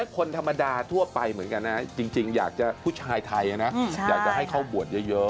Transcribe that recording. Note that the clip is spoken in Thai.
คนธรรมดาทั่วไปเหมือนกันนะจริงอยากจะผู้ชายไทยนะอยากจะให้เขาบวชเยอะ